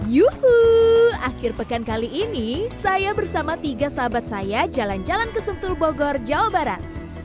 yuhuuu akhir pekan kali ini saya bersama tiga sahabat saya jalan jalan ke sentul bogor jawa barat